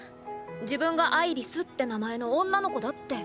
自分がアイリスって名前の女の子だって。